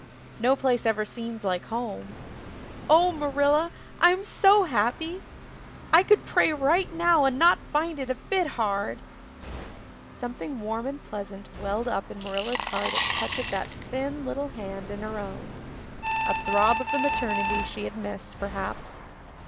No place ever seemed like home. Oh, Marilla, I'm so happy. I could pray right now and not find it a bit hard." Something warm and pleasant welled up in Marilla's heart at touch of that thin little hand in her own a throb of the maternity she had missed, perhaps.